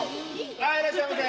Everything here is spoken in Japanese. ああいらっしゃいませ。